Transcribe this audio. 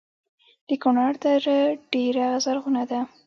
د کونړ دره ډیره زرغونه ده